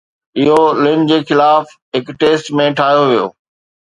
اهو لن جي خلاف هڪ ٽيسٽ ۾ ٺاهيو ويو